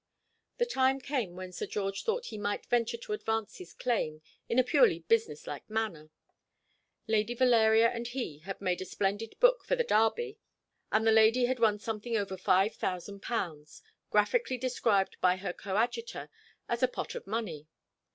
The time came when Sir George thought he might venture to advance his claim, in a purely business like manner. Lady Valeria and he had made a splendid book for the Derby, and the lady had won something over five thousand pounds, graphically described by her coadjutor as a pot of money.